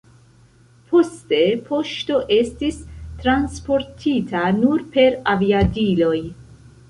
Poste poŝto estis transportita nur per aviadiloj.